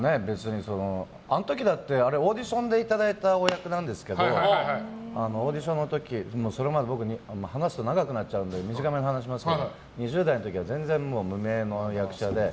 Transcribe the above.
あの時だってオーディションでいただいたお役なんですけどオーディションの時僕、話すと長くなっちゃうんですけど短めに話しますけど２０代の時は全然無名の役者で。